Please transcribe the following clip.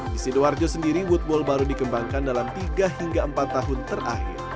di sidoarjo sendiri woodball baru dikembangkan dalam tiga hingga empat tahun terakhir